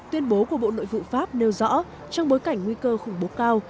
tuyên bố của bộ nội vụ pháp nêu rõ trong bối cảnh nguy cơ khủng bố cao